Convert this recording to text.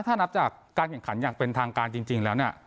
ถ้านับจากการแข่งขันอย่างเป็นทางการจริงแล้วเนี่ย